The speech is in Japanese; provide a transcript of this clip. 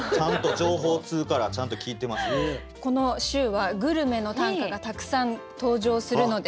この週はグルメの短歌がたくさん登場するので。